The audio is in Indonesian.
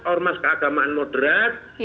ormas keagamaan moderat